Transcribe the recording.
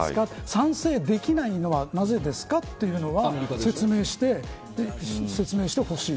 賛成できないのはなぜですかというのは説明してほしい。